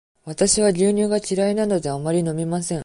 わたしは牛乳が嫌いなので、あまり飲みません。